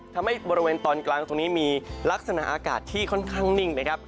บริเวณตอนกลางตรงนี้มีลักษณะอากาศที่ค่อนข้างนิ่งนะครับ